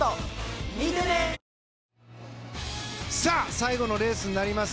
最後のレースになります